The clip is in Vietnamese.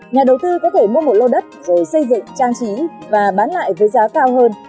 nhà đầu tư có thể mua một lô đất rồi xây dựng trang trí và bán lại với giá cao hơn